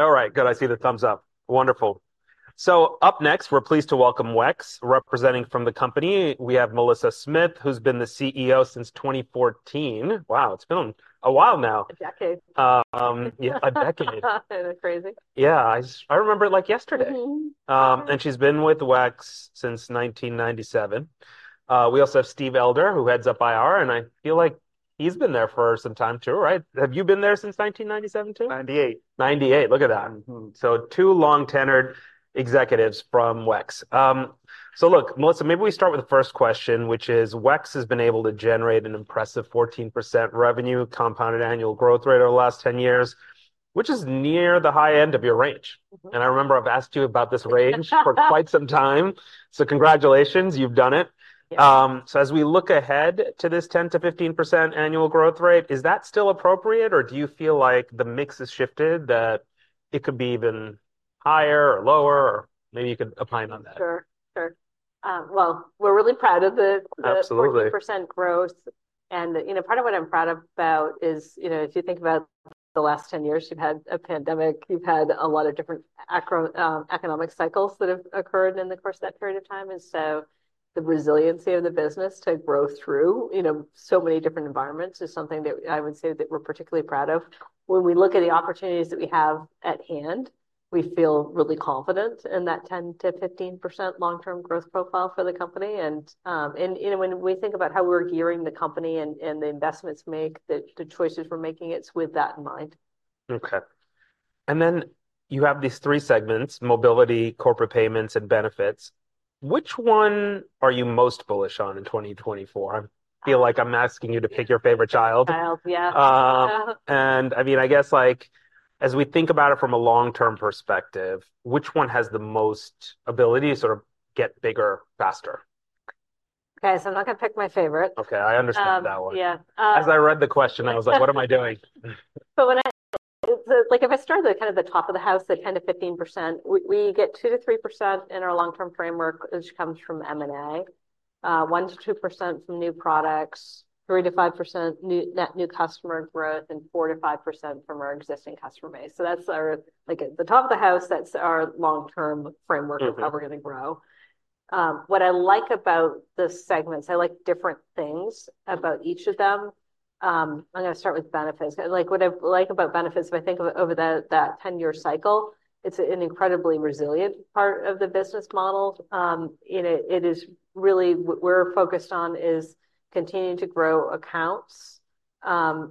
All right, good. I see the thumbs up. Wonderful. So up next, we're pleased to welcome WEX representing from the company. We have Melissa Smith, who's been the CEO since 2014. Wow, it's been a while now. A decade. Yeah, a decade. Isn't it crazy? Yeah, I remember it like yesterday. She's been with WEX since 1997. We also have Steve Elder, who heads up IR, and I feel like he's been there for some time too, right? Have you been there since 1997 too? 1998. 1998, look at that. So two long-tenured executives from WEX. So look, Melissa, maybe we start with the first question, which is, WEX has been able to generate an impressive 14% revenue compounded annual growth rate over the last 10 years, which is near the high end of your range. And I remember I've asked you about this range for quite some time. So congratulations, you've done it. So, as we look ahead to this 10%-15% annual growth rate, is that still appropriate, or do you feel like the mix has shifted, that it could be even higher or lower, or maybe you could opine on that? Sure, sure. Well, we're really proud of the 14% growth. You know, part of what I'm proud about is, you know, if you think about the last 10 years, you've had a pandemic, you've had a lot of different economic cycles that have occurred in the course of that period of time. So, the resiliency of the business to grow through, you know, so many different environments is something that I would say that we're particularly proud of. When we look at the opportunities that we have at hand, we feel really confident in that 10%-15% long-term growth profile for the company. You know, when we think about how we're gearing the company and the investments we make, the choices we're making, it's with that in mind. Okay. You have these three segments: Mobility, Corporate Payments, and Benefits. Which one are you most bullish on in 2024? I feel like I'm asking you to pick your favorite child. Child, yeah. I mean, I guess, like, as we think about it from a long-term perspective, which one has the most ability to sort of get bigger faster? Okay, so I'm not going to pick my favorite. Okay, I understand that one. Yeah. As I read the question, I was like, "What am I doing? It's like, if I start at the kind of the top of the house, the 10%-15%, we get 2%-3% in our long-term framework, which comes from M&A. 1%-2% from new products. 3%-5% new net new customer growth, and 4%-5% from our existing customer base. So that's our, like, at the top of the house, that's our long-term framework of how we're going to grow. What I like about the segments, I like different things about each of them. I'm going to start with Benefits. Like, what I like about Benefits, if I think of it over that 10-year cycle, it's an incredibly resilient part of the business model. You know, it is really, what we're focused on is continuing to grow accounts. On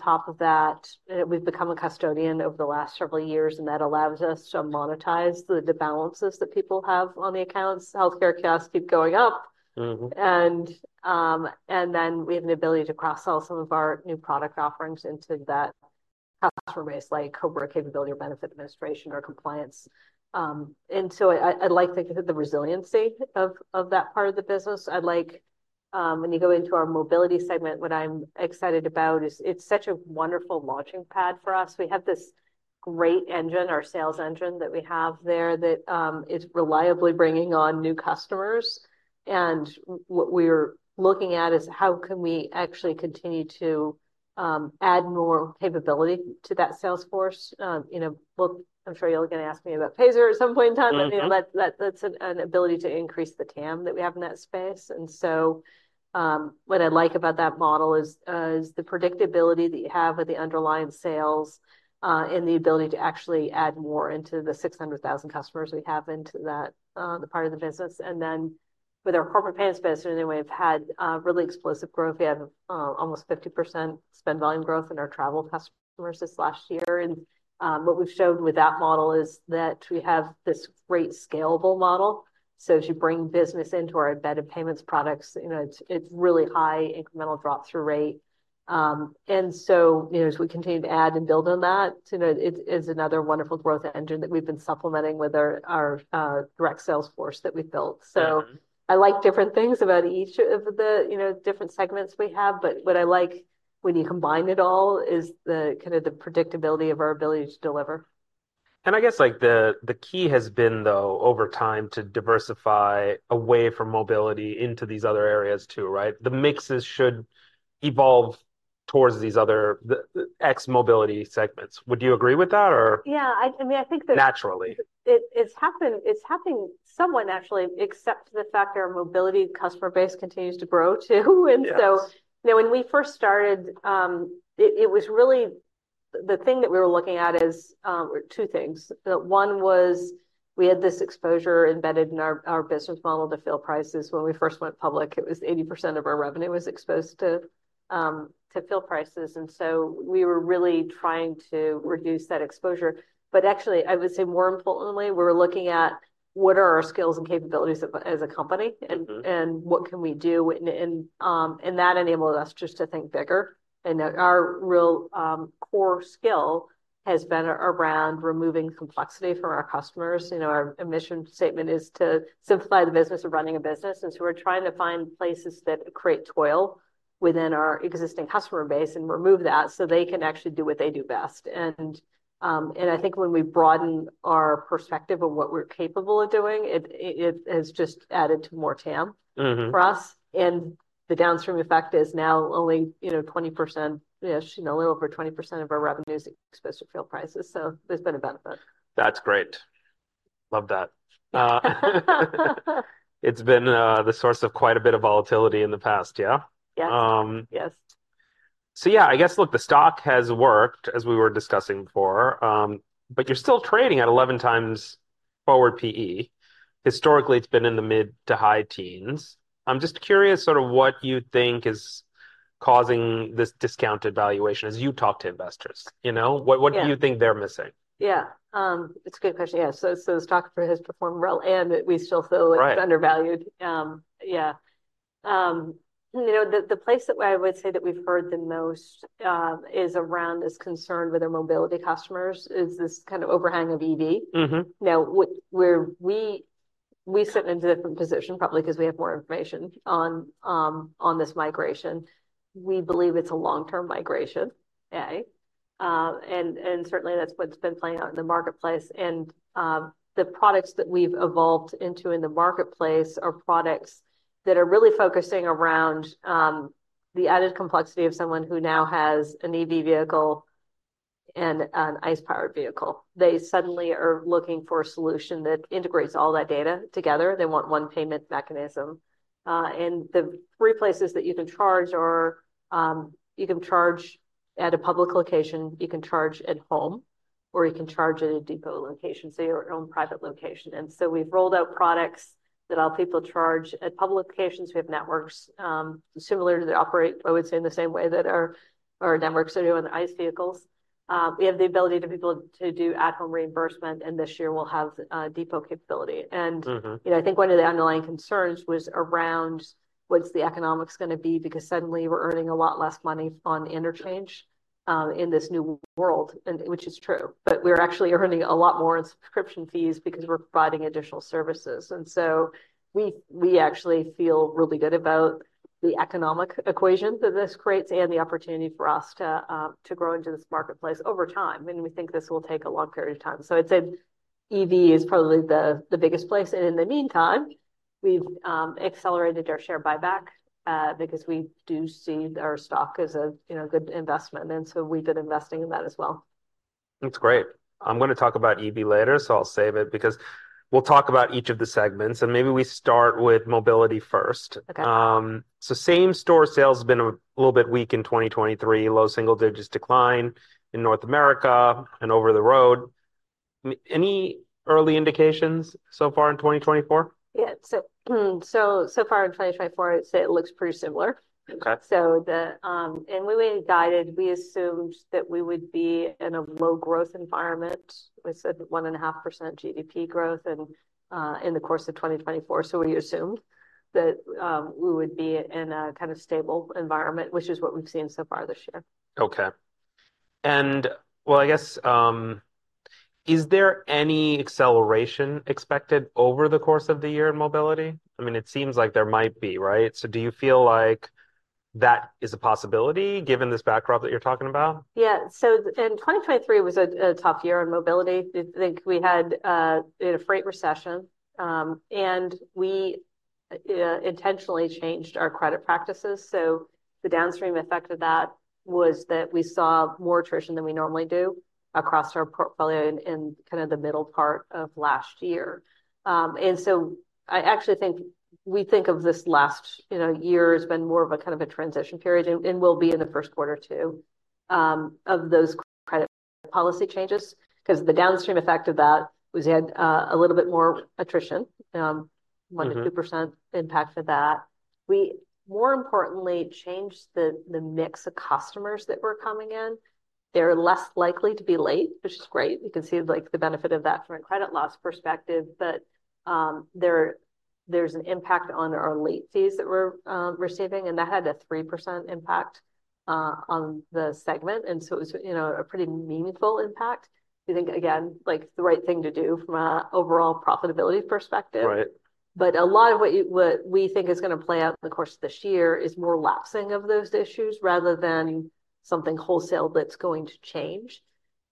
top of that, we've become a custodian over the last several years, and that allows us to monetize the balances that people have on the accounts. Healthcare costs keep going up. And then we have an ability to cross-sell some of our new product offerings into that customer base, like COBRA capability or Benefit Administration or Compliance. So, I like the resiliency of that part of the business. I like, when you go into our Mobility segment, what I'm excited about is it's such a wonderful launching pad for us. We have this great engine, our sales engine that we have there, that is reliably bringing on new customers. And what we're looking at is how can we actually continue to add more capability to that sales force. You know, look, I'm sure you're going to ask me about Payzer at some point in time. I mean, that's an ability to increase the TAM that we have in that space. And so, what I like about that model is the predictability that you have with the underlying sales, and the ability to actually add more into the 600,000 customers we have into that, the part of the business. And then, with our Corporate Payments business, you know, we've had really explosive growth. We have almost 50% spend volume growth in our travel customers this last year. And what we've showed with that model is that we have this great scalable model. So as you bring business into our embedded payments products, you know, it's really high incremental drop-through rate. And so, you know, as we continue to add and build on that, you know, it's another wonderful growth engine that we've been supplementing with our direct sales force that we've built. I like different things about each of the, you know, different segments we have, but what I like when you combine it all is the kind of the predictability of our ability to deliver. I guess, like, the key has been, though, over time to diversify away from Mobility into these other areas too, right? The mixes should evolve towards these other ex-Mobility segments. Would you agree with that, or? Yeah, I mean, I think that. Naturally. It's happened somewhat naturally, except the fact that our Mobility customer base continues to grow too. And so, you know, when we first started, it was really the thing that we were looking at is, two things. One was we had this exposure embedded in our business model to fuel prices. When we first went public, it was 80% of our revenue was exposed to fuel prices. And so, we were really trying to reduce that exposure. But actually, I would say more importantly, we were looking at what are our skills and capabilities as a company, and what can we do? And that enabled us just to think bigger. And our real, core skill has been around removing complexity from our customers. You know, our mission statement is to simplify the business of running a business. We're trying to find places that create toil within our existing customer base and remove that so they can actually do what they do best. I think when we broaden our perspective of what we're capable of doing, it has just added to more TAM for us. The downstream effect is now only, you know, 20%, you know, a little over 20% of our revenue is exposed to fill prices. There's been a benefit. That's great. Love that. It's been the source of quite a bit of volatility in the past, yeah? Yes. Yes. So yeah, I guess, look, the stock has worked, as we were discussing before. But you're still trading at 11x forward PE. Historically, it's been in the mid- to high teens. I'm just curious sort of what you think is causing this discounted valuation as you talk to investors. You know, what do you think they're missing? Yeah. It's a good question. Yeah. So the stock has performed well, and we still feel it's undervalued. Yeah. You know, the place that I would say that we've heard the most is around this concern with our Mobility customers, is this kind of overhang of EV. Now, where we sit in a different position, probably because we have more information on this migration, we believe it's a long-term migration, A. And certainly, that's what's been playing out in the marketplace. And the products that we've evolved into in the marketplace are products that are really focusing around the added complexity of someone who now has an EV vehicle and an ICE-powered vehicle. They suddenly are looking for a solution that integrates all that data together. They want one payment mechanism. The three places that you can charge are, you can charge at a public location, you can charge at home, or you can charge at a depot location, so your own private location. So, we've rolled out products that allow people to charge at public locations. We have networks similar to that operate, I would say, in the same way that our networks are doing on the ICE vehicles. We have the ability to people to do at-home reimbursement, and this year we'll have depot capability. You know, I think one of the underlying concerns was around what's the economics going to be, because suddenly we're earning a lot less money on interchange in this new world, which is true. But we're actually earning a lot more in subscription fees because we're providing additional services. And so, we actually feel really good about the economic equation that this creates and the opportunity for us to grow into this marketplace over time. And we think this will take a long period of time. So I'd say EV is probably the biggest place. And in the meantime, we've accelerated our share buyback because we do see our stock as a good investment. And so, we've been investing in that as well. That's great. I'm going to talk about EV later, so I'll save it because we'll talk about each of the segments. Maybe we start with Mobility first. Same-store sales have been a little bit weak in 2023, low single-digit decline in North America and over the road. Any early indications so far in 2024? Yeah. So far in 2024, I'd say it looks pretty similar. So, and when we guided, we assumed that we would be in a low-growth environment. We said 1.5% GDP growth in the course of 2024. So we assumed that we would be in a kind of stable environment, which is what we've seen so far this year. Okay. Well, I guess, is there any acceleration expected over the course of the year in Mobility? I mean, it seems like there might be, right? So do you feel like that is a possibility, given this backdrop that you're talking about? Yeah. So in 2023 was a tough year on Mobility. I think we had a freight recession. And we intentionally changed our credit practices. So the downstream effect of that was that we saw more attrition than we normally do across our portfolio in kind of the middle part of last year. And so, I actually think we think of this last, you know, year has been more of a kind of a transition period, and will be in the first quarter too, of those credit policy changes. Because the downstream effect of that was we had a little bit more attrition, 1%-2% impact of that. We, more importantly, changed the mix of customers that were coming in. They're less likely to be late, which is great. You can see, like, the benefit of that from a credit loss perspective. But there's an impact on our late fees that we're receiving, and that had a 3% impact on the segment. And so, it was, you know, a pretty meaningful impact. We think, again, like, the right thing to do from an overall profitability perspective. But a lot of what we think is going to play out in the course of this year is more lapsing of those issues rather than something wholesale that's going to change.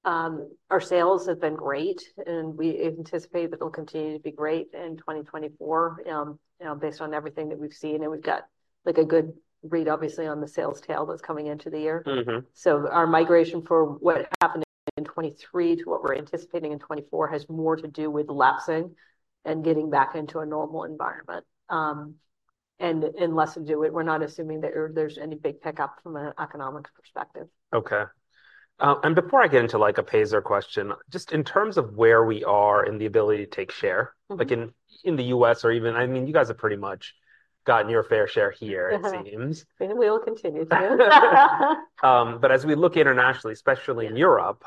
Our sales have been great, and we anticipate that they'll continue to be great in 2024, you know, based on everything that we've seen. And we've got, like, a good read, obviously, on the sales tail that's coming into the year. So our migration for what happened in 2023 to what we're anticipating in 2024 has more to do with lapsing and getting back into a normal environment. Unless we do it, we're not assuming that there's any big pickup from an economic perspective. Okay. And before I get into, like, a Payzer question, just in terms of where we are in the ability to take share, like in the U.S. or even, I mean, you guys have pretty much gotten your fair share here, it seems. And we will continue to. But as we look internationally, especially in Europe,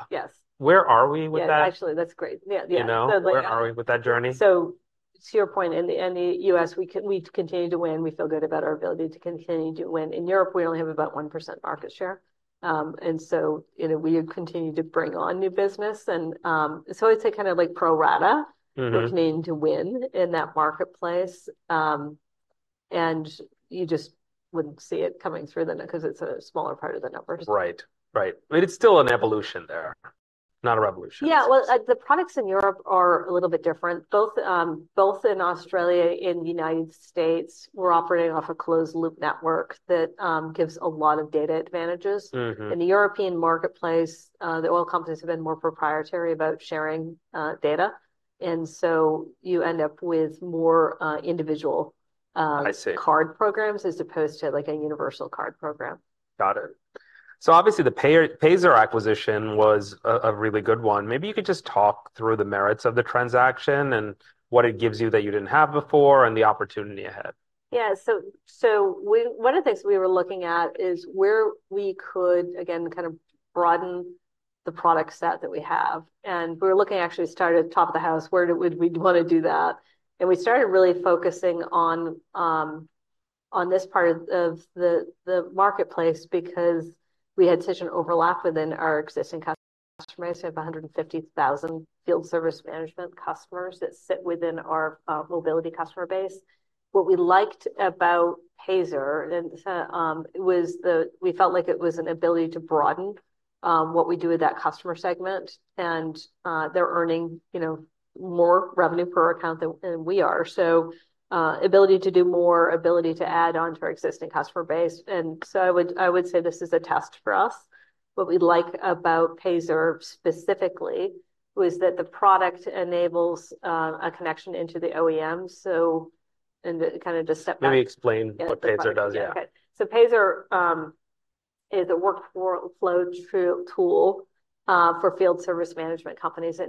where are we with that? Yeah, actually, that's great. Yeah, yeah. You know, where are we with that journey? So to your point, in the U.S., we continue to win. We feel good about our ability to continue to win. In Europe, we only have about 1% market share. And so, you know, we continue to bring on new business. And so, I'd say kind of like pro rata looking in to win in that marketplace. And you just wouldn't see it coming through the net because it's a smaller part of the numbers. Right. Right. But it's still an evolution there, not a revolution. Yeah. Well, the products in Europe are a little bit different. Both in Australia and the United States, we're operating off a closed-loop network that gives a lot of data advantages. In the European marketplace, the oil companies have been more proprietary about sharing data. And so, you end up with more individual card programs as opposed to, like, a universal card program. Got it. So obviously, the Payzer acquisition was a really good one. Maybe you could just talk through the merits of the transaction and what it gives you that you didn't have before and the opportunity ahead. Yeah. So one of the things we were looking at is where we could, again, kind of broaden the product set that we have. And we were looking, actually, starting at the top of the house, where would we want to do that? And we started really focusing on this part of the marketplace because we had such an overlap within our existing customer base. We have 150,000 field service management customers that sit within our Mobility customer base. What we liked about Payzer was we felt like it was an ability to broaden what we do with that customer segment. And they're earning, you know, more revenue per account than we are. So ability to do more, ability to add on to our existing customer base. And so, I would say this is a test for us. What we like about Payzer specifically was that the product enables a connection into the OEM. So in the kind of the step back. Maybe explain what Payzer does, yeah. Okay. Payzer is a workflow tool for field service management companies.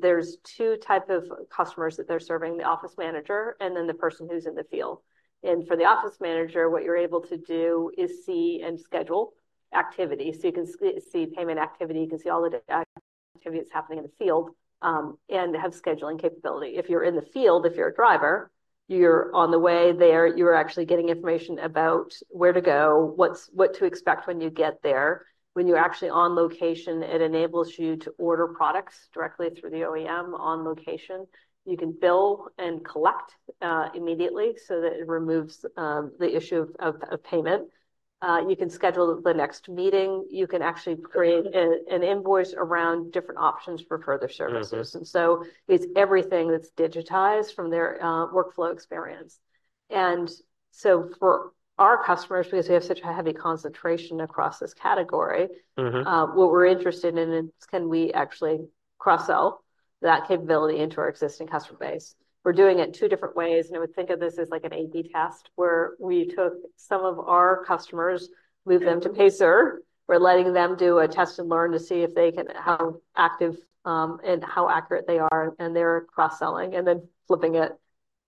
There's two types of customers that they're serving: the office manager and then the person who's in the field. For the office manager, what you're able to do is see and schedule activity. You can see payment activity, you can see all the activity that's happening in the field, and have scheduling capability. If you're in the field, if you're a driver, you're on the way there, you're actually getting information about where to go, what to expect when you get there. When you're actually on location, it enables you to order products directly through the OEM on location. You can bill and collect immediately so that it removes the issue of payment. You can schedule the next meeting. You can actually create an invoice around different options for further services. It's everything that's digitized from their workflow experience. For our customers, because we have such a heavy concentration across this category, what we're interested in is, can we actually cross-sell that capability into our existing customer base? We're doing it two different ways. I would think of this as like an A/B test, where we took some of our customers, moved them to Payzer. We're letting them do a test and learn to see if they can how active and how accurate they are in their cross-selling. Then, flipping it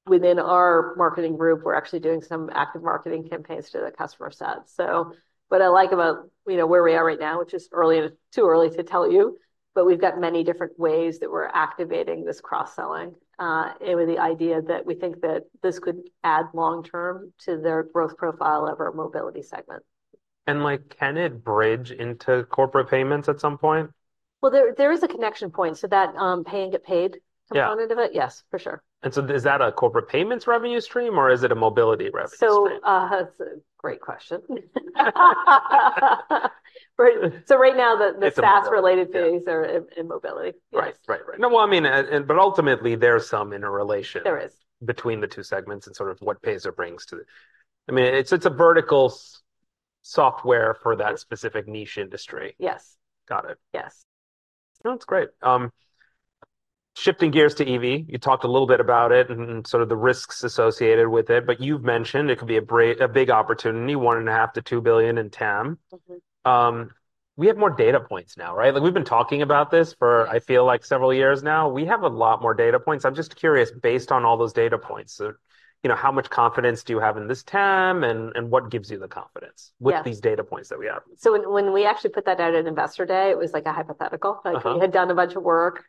within our marketing group, we're actually doing some active marketing campaigns to the customer set. So, what I like about, you know, where we are right now, which is early, too early to tell you, but we've got many different ways that we're activating this cross-selling with the idea that we think that this could add long-term to their growth profile of our Mobility segment. Like, can it bridge into Corporate Payments at some point? Well, there is a connection point. So that pay and get paid component of it? Yeah. Yes, for sure. Is that a Corporate Payments revenue stream, or is it a Mobility revenue stream? Great question. Right now, the SaaS-related fees are in Mobility. Right. Right. Right. No, well, I mean, but ultimately, there's some interrelation between the two segments and sort of what Payzer brings to the... I mean, it's a vertical software for that specific niche industry. Yes. Got it. Yes. No, that's great. Shifting gears to EV, you talked a little bit about it and sort of the risks associated with it. But you've mentioned it could be a big opportunity, $1.5-$2 billion in TAM. We have more data points now, right? Like, we've been talking about this for, I feel like, several years now. We have a lot more data points. I'm just curious, based on all those data points, you know, how much confidence do you have in this TAM, and what gives you the confidence with these data points that we have? So when we actually put that out at Investor Day, it was like a hypothetical. Like, we had done a bunch of work.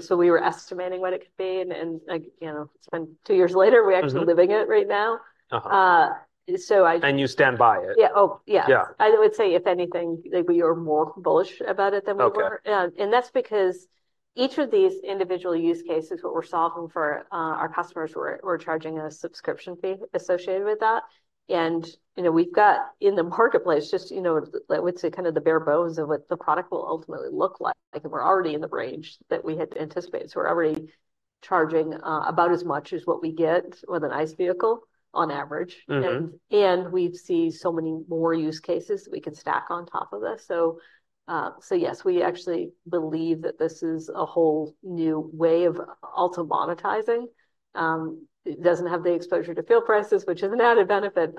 So we were estimating what it could be. And like, you know, it's been two years later, we're actually living it right now. So I... You stand by it? Yeah. Oh, yeah. I would say, if anything, like, we are more bullish about it than we were. And that's because each of these individual use cases, what we're solving for our customers, we're charging a subscription fee associated with that. And, you know, we've got in the marketplace just, you know, I would say kind of the bare bones of what the product will ultimately look like. And we're already in the range that we had to anticipate. So we're already charging about as much as what we get with an ICE vehicle on average. And we see so many more use cases that we can stack on top of this. So yes, we actually believe that this is a whole new way of also monetizing. It doesn't have the exposure to fuel prices, which is an added benefit.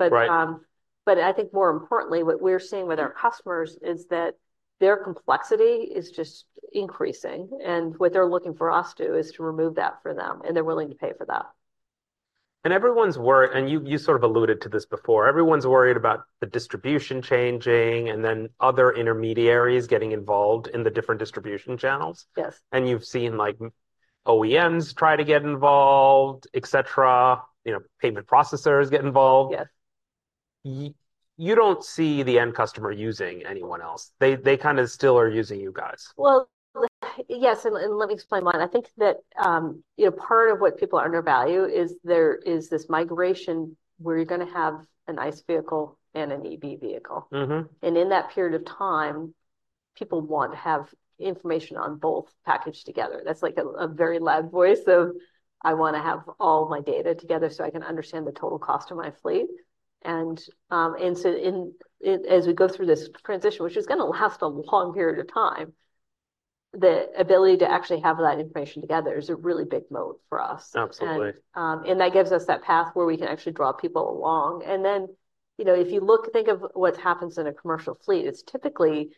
I think, more importantly, what we're seeing with our customers is that their complexity is just increasing. What they're looking for us to do is to remove that for them, and they're willing to pay for that. Everyone's worried, and you sort of alluded to this before, everyone's worried about the distribution changing, and then other intermediaries getting involved in the different distribution channels. You've seen, like, OEMs try to get involved, et cetera, you know, payment processors get involved. You don't see the end customer using anyone else. They kind of still are using you guys. Well, yes. And let me explain mine. I think that, you know, part of what people undervalue is there is this migration where you're going to have an ICE vehicle and an EV vehicle. And in that period of time, people want to have information on both packaged together. That's like a very loud voice of, "I want to have all my data together so I can understand the total cost of my fleet." And so, as we go through this transition, which is going to last a long period of time, the ability to actually have that information together is a really big moat for us. And that gives us that path where we can actually draw people along. And then, you know, if you look, think of what happens in a commercial fleet, it's typically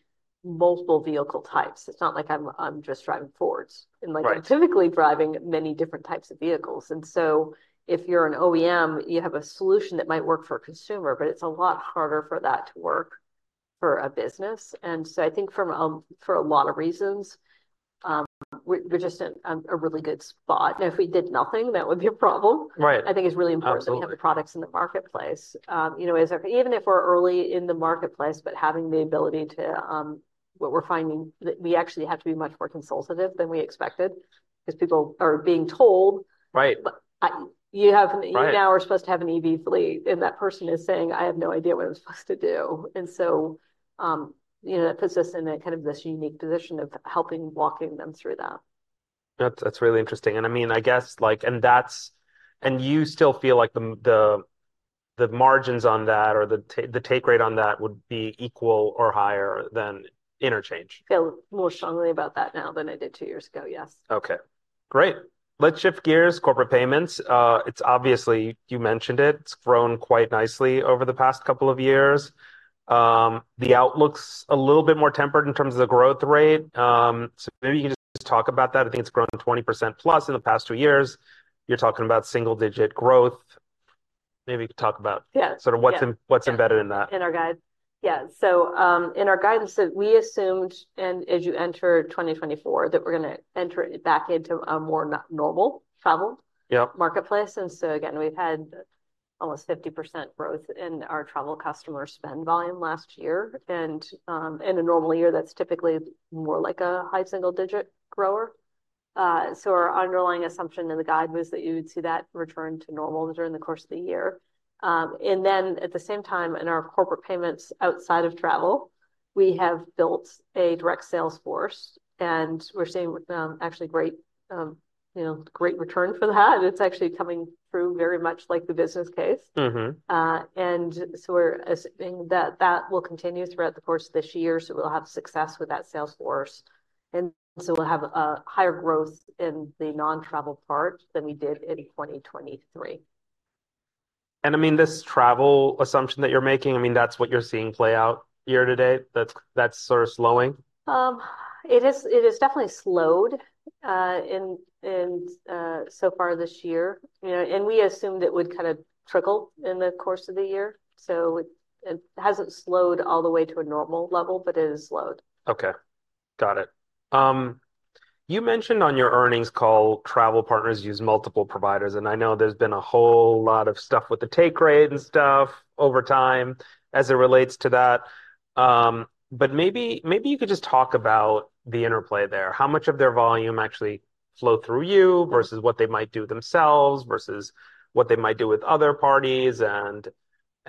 multiple vehicle types. It's not like I'm just driving Fords. Like, I'm typically driving many different types of vehicles. And so, if you're an OEM, you have a solution that might work for a consumer, but it's a lot harder for that to work for a business. And so, I think for a lot of reasons, we're just in a really good spot. Now, if we did nothing, that would be a problem. I think it's really important that we have the products in the marketplace. You know, even if we're early in the marketplace, but having the ability to, what we're finding, that we actually have to be much more consultative than we expected. Because people are being told, "You now are supposed to have an EV fleet," and that person is saying, "I have no idea what I'm supposed to do." And so, you know, that puts us in kind of this unique position of helping, walking them through that. That's really interesting. I mean, I guess, like, and that's, and you still feel like the margins on that or the take rate on that would be equal or higher than interchange? Feel more strongly about that now than I did two years ago, yes. Okay. Great. Let's shift gears, Corporate Payments. It's obviously, you mentioned it, it's grown quite nicely over the past couple of years. The outlook's a little bit more tempered in terms of the growth rate. So maybe you can just talk about that. I think it's grown 20%+ in the past two years. You're talking about single-digit growth. Maybe you could talk about sort of what's embedded in that. Yeah. In our guide. Yeah. So in our guidance, we assumed, and as you enter 2024, that we're going to enter back into a more normal travel marketplace. And so, again, we've had almost 50% growth in our travel customer spend volume last year. And in a normal year, that's typically more like a high single-digit grower. So our underlying assumption in the guide was that you would see that return to normal during the course of the year. And then, at the same time, in our Corporate Payments outside of travel, we have built a direct sales force. And we're seeing actually great, you know, great return for that. It's actually coming through very much like the business case. And so, we're assuming that that will continue throughout the course of this year. So we'll have success with that sales force. We'll have a higher growth in the non-travel part than we did in 2023. And I mean, this travel assumption that you're making, I mean, that's what you're seeing play out year to date? That's sort of slowing? It is definitely slowed so far this year. You know, we assumed it would kind of trickle in the course of the year. It hasn't slowed all the way to a normal level, but it is slowed. Okay. Got it. You mentioned on your earnings call, travel partners use multiple providers. And I know there's been a whole lot of stuff with the take rate and stuff over time as it relates to that. But maybe you could just talk about the interplay there. How much of their volume actually flow through you versus what they might do themselves versus what they might do with other parties? And,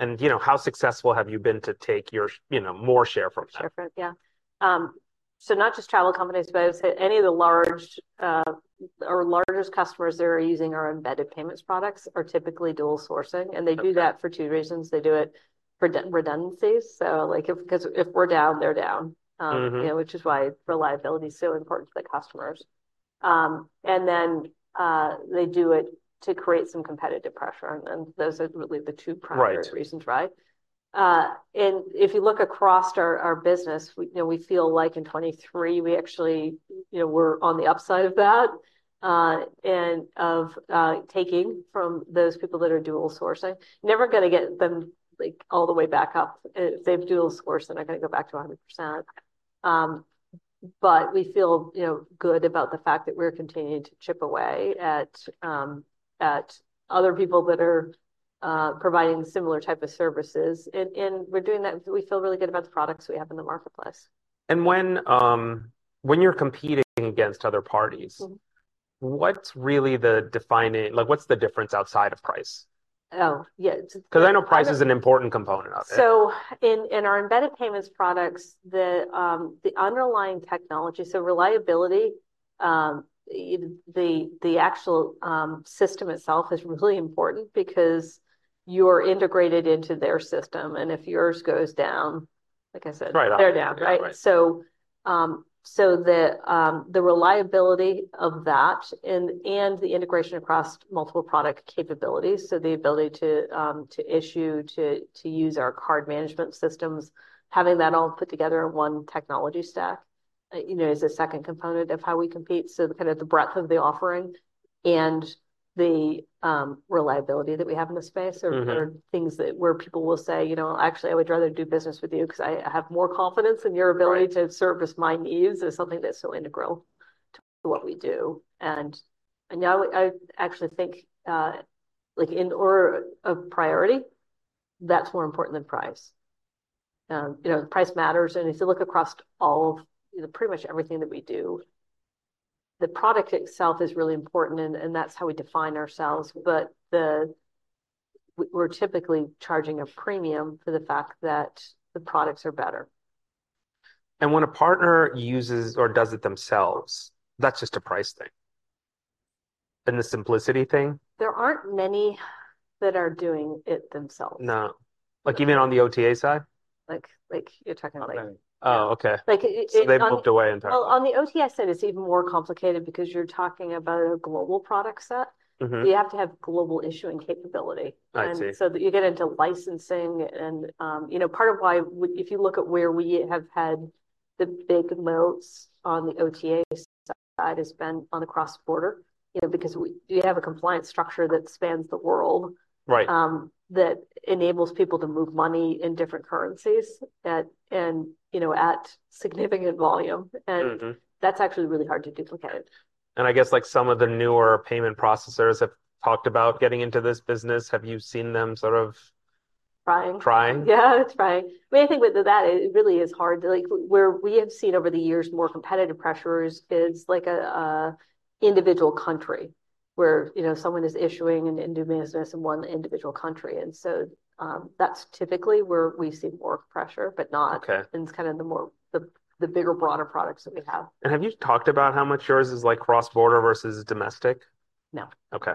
you know, how successful have you been to take your, you know, more share from them? So not just travel companies, but I would say any of the large or largest customers that are using our embedded payments products are typically dual sourcing. And they do that for two reasons. They do it for redundancies. So, like, if we're down, they're down. You know, which is why reliability is so important to the customers. And then they do it to create some competitive pressure. And those are really the two primary reasons, right? And if you look across our business, you know, we feel like in 2023, we actually, you know, were on the upside of that. And of taking from those people that are dual sourcing, never going to get them, like, all the way back up. If they've dual-sourced, they're not going to go back to 100%. We feel, you know, good about the fact that we're continuing to chip away at other people that are providing similar type of services. We're doing that, we feel really good about the products we have in the marketplace. When you're competing against other parties, what's really the defining... like, what's the difference outside of price? Oh, yeah. Because I know price is an important component of it. So in our embedded payments products, the underlying technology, so reliability, the actual system itself is really important because you're integrated into their system. And if yours goes down, like I said, they're down, right? So the reliability of that and the integration across multiple product capabilities, so the ability to issue, to use our card management systems, having that all put together in one technology stack, you know, is a second component of how we compete. So kind of the breadth of the offering and the reliability that we have in the space are things that where people will say, you know, actually, I would rather do business with you because I have more confidence in your ability to service my needs as something that's so integral to what we do. And yeah, I actually think, like, in order of priority, that's more important than price. You know, price matters. If you look across all of pretty much everything that we do, the product itself is really important. That's how we define ourselves. We're typically charging a premium for the fact that the products are better. When a partner uses or does it themselves, that's just a price thing? And the simplicity thing? There aren't many that are doing it themselves. No. Like, even on the OTA side? Like, you're talking about like... Oh, okay. So they've moved away entirely. On the OTA side, it's even more complicated because you're talking about a global product set. You have to have global issuing capability. So you get into licensing. And, you know, part of why, if you look at where we have had the big moats on the OTA side, has been on the cross-border, you know, because we have a compliance structure that spans the world that enables people to move money in different currencies and, you know, at significant volume. And that's actually really hard to duplicate. I guess, like, some of the newer payment processors have talked about getting into this business. Have you seen them sort of... Trying? Trying? Yeah, trying. I mean, I think with that, it really is hard to... like, where we have seen over the years more competitive pressures is like an individual country where, you know, someone is issuing an end-of-business in one individual country. And so, that's typically where we see more pressure, but not in kind of the bigger, broader products that we have. Have you talked about how much yours is like cross-border versus domestic? No. Okay.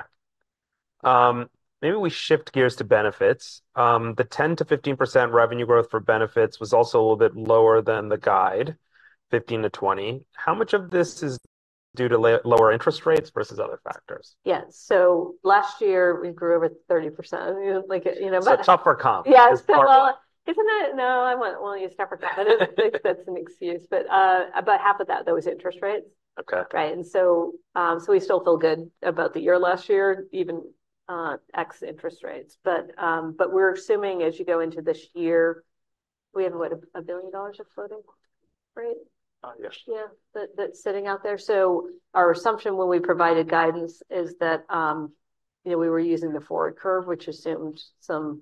Maybe we shift gears to Benefits. The 10%-15% revenue growth for Benefits was also a little bit lower than the guide, 15%-20%. How much of this is due to lower interest rates versus other factors? Yeah. So last year, we grew over 30%. Like, you know... So tough for comp. Yeah. Well, isn't it... no, I won't use tough for comp. That's an excuse. But about half of that, though, is interest rates. Okay, right? And so, we still feel good about the year last year, even ex interest rates. But we're assuming, as you go into this year, we have, what, $1 billion of floating rate? Yeah. Yeah, that's sitting out there. So our assumption when we provided guidance is that, you know, we were using the forward curve, which assumed some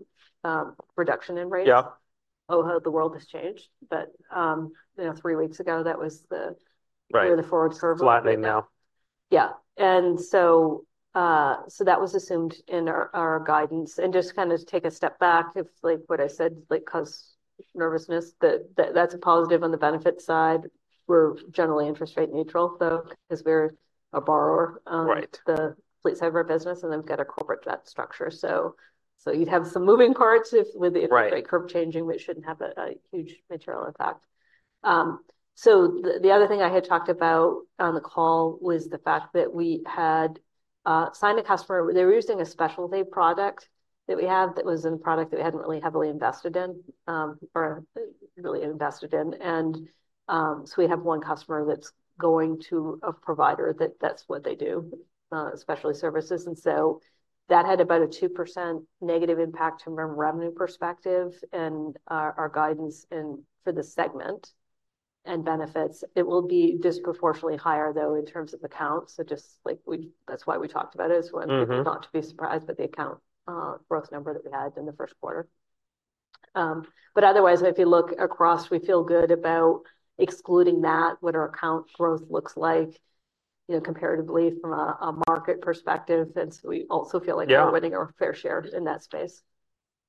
reduction in rates. Oh, the world has changed. But, you know, three weeks ago, that was the year the forward curve was... Flattening now. Yeah. And so, that was assumed in our guidance. And just kind of to take a step back, if, like, what I said, like, caused nervousness, that that's a positive on the benefit side. We're generally interest rate neutral, though, because we're a borrower on the fleetside of our business. And then we've got a corporate debt structure. So you'd have some moving parts with the interest rate curve changing, which shouldn't have a huge material impact. So the other thing I had talked about on the call was the fact that we had signed a customer. They were using a specialty product that we have that was a product that we hadn't really heavily invested in or really invested in. And so, we have one customer that's going to a provider that that's what they do, specialty services. And so, that had about a 2% negative impact from a revenue perspective and our guidance for the segment and Benefits. It will be disproportionately higher, though, in terms of accounts. So just, like, that's why we talked about it as one, not to be surprised, but the account growth number that we had in the first quarter. But otherwise, if you look across, we feel good about excluding that, what our account growth looks like, you know, comparatively from a market perspective. And so, we also feel like we're winning our fair share in that space.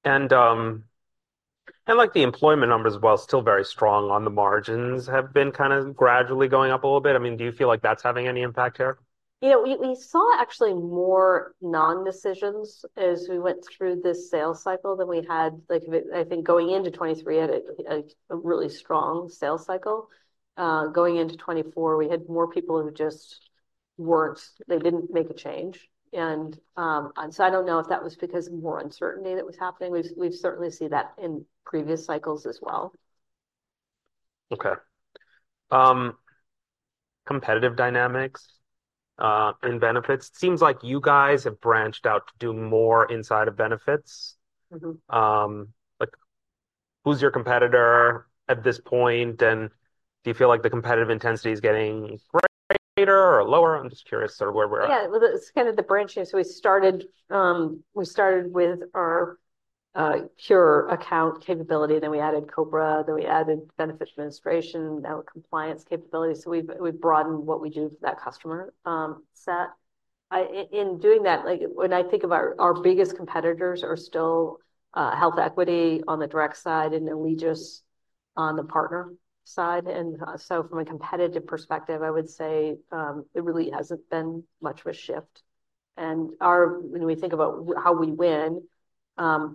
Like, the employment numbers as well, still very strong on the margins, have been kind of gradually going up a little bit. I mean, do you feel like that's having any impact here? You know, we saw actually more non-decisions as we went through this sales cycle than we had. Like, I think going into 2023, I had a really strong sales cycle. Going into 2024, we had more people who just weren't, they didn't make a change. And so, I don't know if that was because more uncertainty that was happening. We've certainly seen that in previous cycles as well. Okay. Competitive dynamics in Benefits. It seems like you guys have branched out to do more inside of Benefits. Like, who's your competitor at this point? And do you feel like the competitive intensity is getting greater or lower? I'm just curious sort of where we're at. Yeah. It's kind of the branching. So we started with our pure account capability. Then we added COBRA. Then we added benefit administration. Now, compliance capability. So we've broadened what we do for that customer set. In doing that, like, when I think of our biggest competitors are still HealthEquity on the direct side and Alegeus on the partner side. And so, from a competitive perspective, I would say it really hasn't been much of a shift. And when we think about how we win,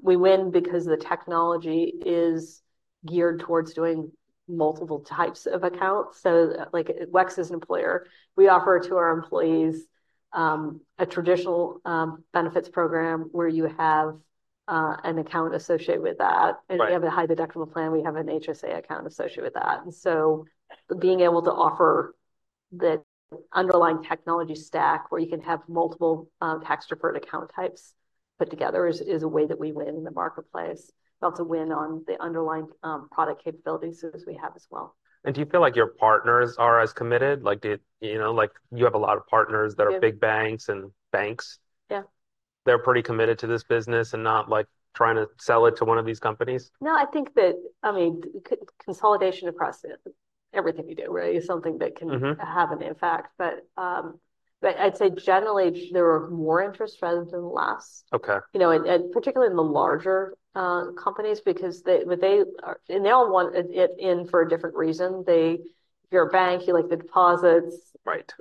we win because the technology is geared towards doing multiple types of accounts. So, like, WEX is an employer. We offer to our employees a traditional Benefits program where you have an account associated with that. And if you have a high deductible plan, we have an HSA account associated with that. And so, being able to offer the underlying technology stack where you can have multiple tax-deferred account types put together is a way that we win in the marketplace. But also win on the underlying product capabilities as we have as well. Do you feel like your partners are as committed? Like, you know, like, you have a lot of partners that are big banks and banks. Yeah. They're pretty committed to this business and not, like, trying to sell it to one of these companies? No, I think that, I mean, consolidation across everything we do, right, is something that can have an impact. But I'd say generally, there are more interests rather than less. You know, and particularly in the larger companies, because they, and they all want it in for a different reason. If you're a bank, you like the deposits.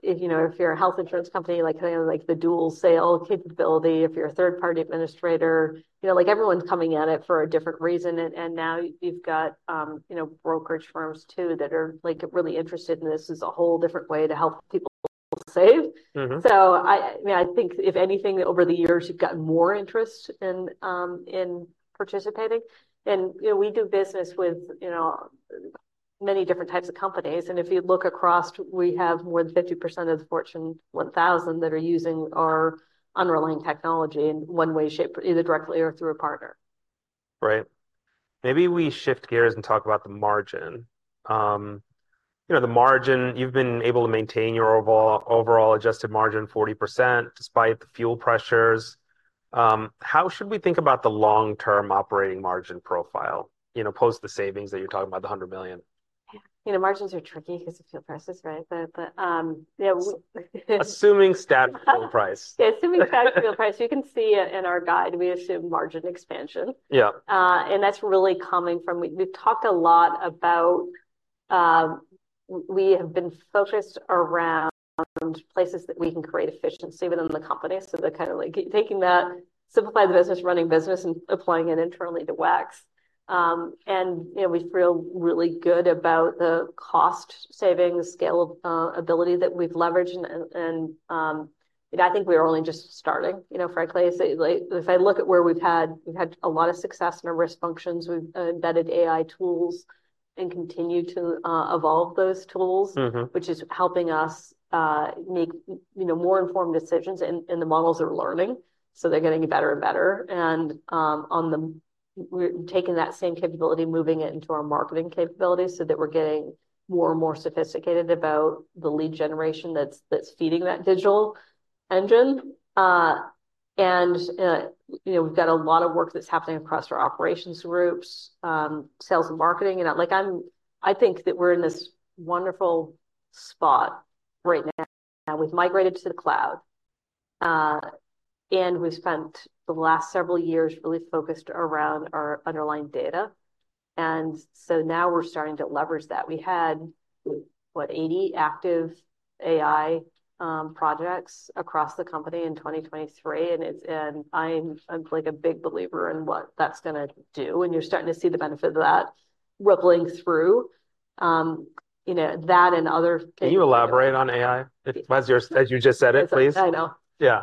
You know, if you're a health insurance company, like, kind of like the dual sale capability. If you're a third-party administrator, you know, like, everyone's coming at it for a different reason. And now you've got, you know, brokerage firms too that are, like, really interested in this as a whole different way to help people save. So I, I mean, I think if anything, over the years, you've gotten more interest in participating. And, you know, we do business with, you know, many different types of companies. If you look across, we have more than 50% of the Fortune 1000 that are using our underlying technology in one way, shape, either directly or through a partner. Right. Maybe we shift gears and talk about the margin. You know, the margin, you've been able to maintain your overall adjusted margin of 40% despite the fuel pressures. How should we think about the long-term operating margin profile, you know, post the savings that you're talking about, the $100 million? Yeah. You know, margins are tricky because of fuel prices, right? But, yeah. Assuming static fuel price. Yeah. Assuming static fuel price. You can see in our guide, we assume margin expansion. Yeah. And that's really coming from, we've talked a lot about, we have been focused around places that we can create efficiency within the company. So the kind of, like, taking that, simplify the business, running business, and applying it internally to WEX. And, you know, we feel really good about the cost savings, scalability that we've leveraged. And, you know, I think we're only just starting, you know, frankly. So if I look at where we've had, we've had a lot of success in our risk functions. We've embedded AI tools and continue to evolve those tools, which is helping us make, you know, more informed decisions in the models that we're learning. So they're getting better and better. We're taking that same capability, moving it into our marketing capability so that we're getting more and more sophisticated about the lead generation that's feeding that digital engine. You know, we've got a lot of work that's happening across our operations groups, sales, and marketing. Like, I think that we're in this wonderful spot right now. We've migrated to the cloud. We've spent the last several years really focused around our underlying data. So, now we're starting to leverage that. We had, what, 80 active AI projects across the company in 2023. It's, and I'm, I'm like a big believer in what that's going to do. You're starting to see the benefit of that rippling through, you know, that and other. Can you elaborate on AI as you just said it, please? I know. Yeah.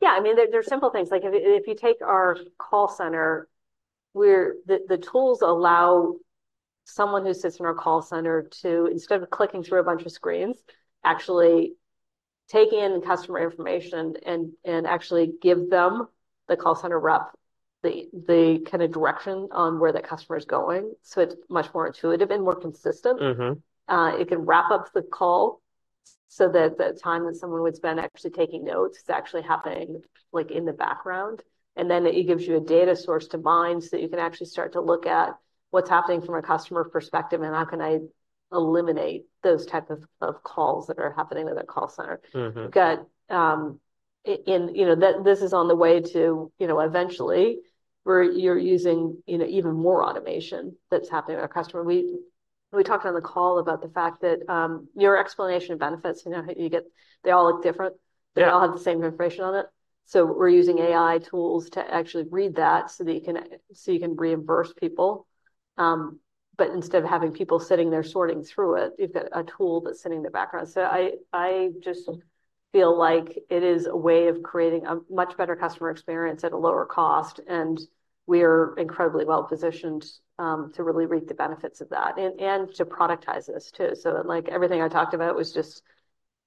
Yeah. I mean, there's simple things. Like, if you take our call center, we're, the tools allow someone who sits in our call center to, instead of clicking through a bunch of screens, actually take in customer information and actually give them the call center rep the kind of direction on where that customer is going. So it's much more intuitive and more consistent. It can wrap up the call so that the time that someone would spend actually taking notes is actually happening, like, in the background. And then it gives you a data source to mine so that you can actually start to look at what's happening from a customer perspective, and how can I eliminate those types of calls that are happening at that call center. We've got, in, you know, this is on the way to, you know, eventually, where you're using, you know, even more automation that's happening with our customer. We talked on the call about the fact that your Explanation of Benefits, you know, how you get, they all look different. They all have the same information on it. So we're using AI tools to actually read that so that you can, so you can reimburse people. But instead of having people sitting there sorting through it, you've got a tool that's sitting in the background. So I just feel like it is a way of creating a much better customer experience at a lower cost. And we are incredibly well-positioned to really reap the Benefits of that and to productize this too. So, like, everything I talked about was just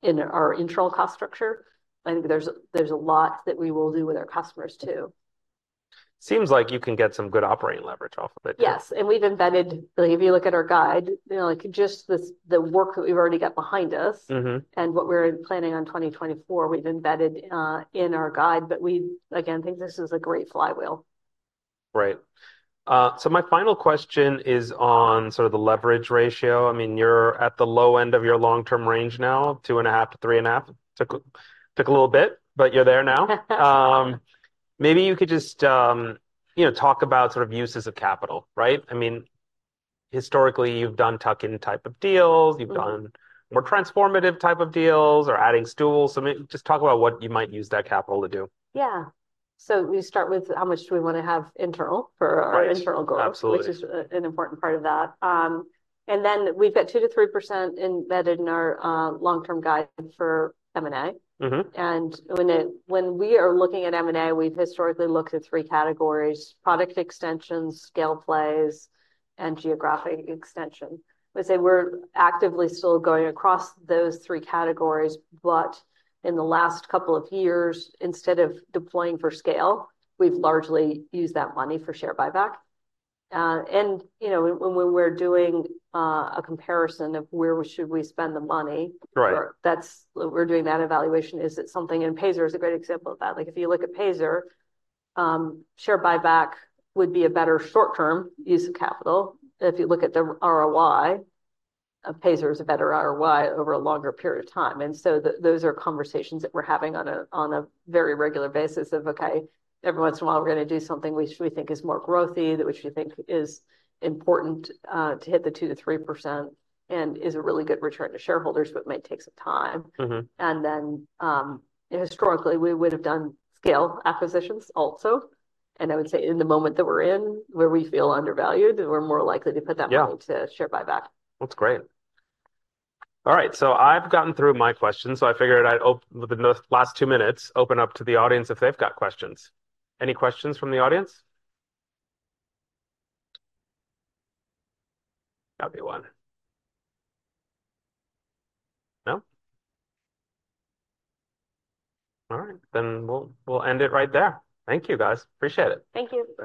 in our internal cost structure. I think there's a lot that we will do with our customers too. Seems like you can get some good operating leverage off of it too. Yes. And we've embedded, like, if you look at our guide, you know, like, just the work that we've already got behind us and what we're planning on 2024, we've embedded in our guide. But we, again, think this is a great flywheel. Right. So my final question is on sort of the leverage ratio. I mean, you're at the low end of your long-term range now, 2.5x-3.5x. Took a little bit, but you're there now. Maybe you could just, you know, talk about sort of uses of capital, right? I mean, historically, you've done tuck-in type of deals. You've done more transformative type of deals or adding stools. So just talk about what you might use that capital to do. Yeah. So we start with how much do we want to have internal for our internal growth, which is an important part of that. And then we've got 2%-3% embedded in our long-term guide for M&A. And when we are looking at M&A, we've historically looked at three categories: product extensions, scale plays, and geographic extension. I would say we're actively still going across those three categories. But in the last couple of years, instead of deploying for scale, we've largely used that money for share buyback. And, you know, when we're doing a comparison of where should we spend the money, that's, we're doing that evaluation. Is it something, and Payzer is a great example of that. Like, if you look at Payzer, share buyback would be a better short-term use of capital. If you look at the ROI, Payzer is a better ROI over a longer period of time. And so, those are conversations that we're having on a very regular basis of, okay, every once in a while, we're going to do something we think is more growthy, that which we think is important to hit the 2%-3% and is a really good return to shareholders, but might take some time. And then, historically, we would have done scale acquisitions also. And I would say in the moment that we're in, where we feel undervalued, we're more likely to put that money to share buyback. That's great. All right. So I've gotten through my questions. So I figured I'd open the last two minutes, open up to the audience if they've got questions. Any questions from the audience? That'll be one. No? All right. Then we'll end it right there. Thank you, guys. Appreciate it. Thank you.